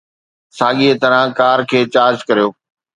ساڳئي طرح ڪار کي چارج ڪريو